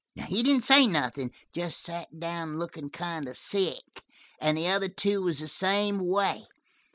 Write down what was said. He didn't say nothin'. Just sat down lookin' kind of sick, and the other two was the same way.